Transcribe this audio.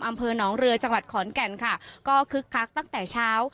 อำเภอหนองเรือจังหวัดขอนแก่นค่ะก็คึกคักตั้งแต่เช้า